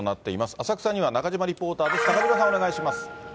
浅草には中島リポーターです。